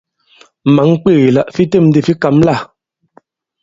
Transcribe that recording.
Mǎn kwéè la fi têm ndi fi kǎm lâ ?